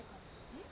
えっ？